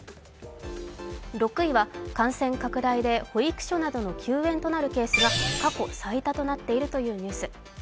６位は感染拡大で保育所などの休園となるケースが過去最多となっているというニュース。